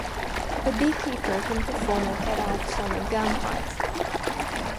A beekeeper can perform a cut-out on a gum hive.